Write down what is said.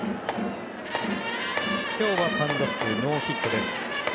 今日は３打数ノーヒットです。